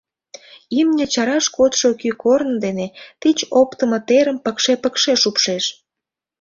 Имне чараш кодшо кӱ корно дене тич оптымо терым пыкше-пыкше шупшеш.